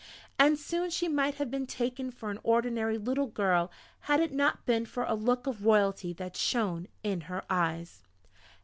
And soon she might have been taken for any ordinary little girl had it not been for a look of royalty that shone in her eyes.